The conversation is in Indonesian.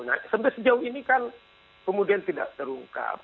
nah sampai sejauh ini kan kemudian tidak terungkap